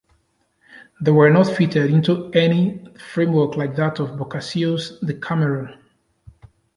They were not fitted into any framework like that of Boccaccio's "Decameron".